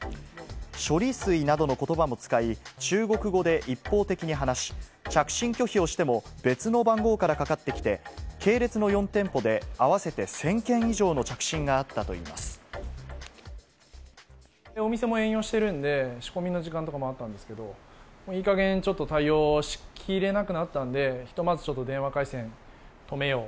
ショリスイなどのことばも使い、中国語で一方的に話し、着信拒否をしても別の番号からかかってきて、系列の４店舗で合わせて１０００件以上の着信があったということお店も営業してるんで、仕込みの時間とかもあったんですけれども、もういいかげん、ちょっと対応しきれなくなったんで、ひとまずちょっと電話回線を止めよう。